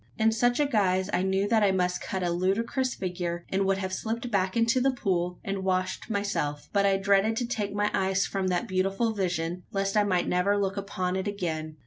In such a guise I knew that I must cut a ludicrous figure, and would have slipped back to the pool, and washed myself; but I dreaded to take my eyes from that beautiful vision, lest I might never look upon it again!